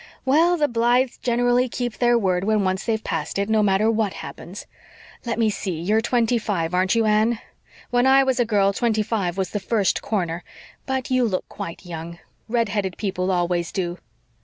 "Well, the Blythes generally keep their word when they've once passed it, no matter what happens. Let me see you're twenty five, aren't you, Anne? When I was a girl twenty five was the first corner. But you look quite young. Red headed people always do."